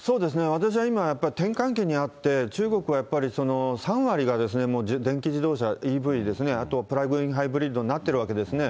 私は今、やっぱり転換期にあって、中国はやっぱり３割が電気自動車・ＥＶですね、あとプラグインハイブリッドになってるわけですね。